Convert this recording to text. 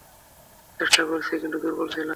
চেষ্টা করেছি, কিন্তু দুর্বল ছিলাম।